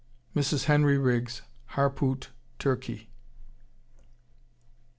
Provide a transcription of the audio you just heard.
(Mrs. Henry Riggs, Harpoot, Turkey.)